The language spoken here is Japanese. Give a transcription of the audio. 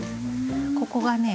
ここがね